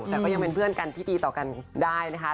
แต่ก็ยังเป็นเพื่อนกันที่ดีต่อกันได้นะคะ